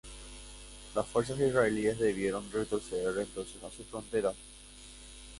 Las fuerzas israelíes debieron retroceder entonces a su frontera.